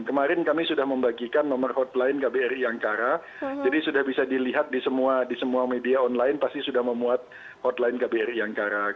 kemarin kami sudah membagikan nomor hotline kbri angkara jadi sudah bisa dilihat di semua media online pasti sudah memuat hotline kbri angkara